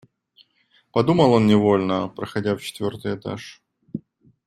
Подумал он невольно, проходя в четвертый этаж.